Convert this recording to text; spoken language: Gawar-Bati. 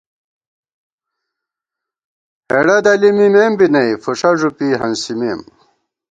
ہېڑہ دَلی مِمېم بی نئ ، فُݭہ ݫُپی ہنسِمېم